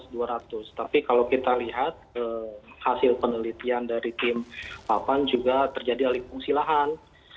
catatannya hampir dua ratus dua ratus tapi kalau kita lihat hasil penelitian dari tim pak iwan juga terjadi alih fungsi lahan